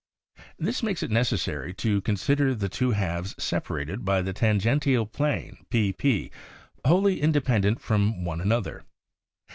This makes it necessary to consider the two halves separated by the tangen tial plane pp wholly independent from one another.